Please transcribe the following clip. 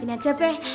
ini aja be